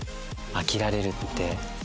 飽きられるって。